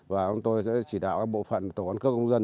và chúng tôi sẽ chỉ đạo các bộ phận tổ quán cước công dân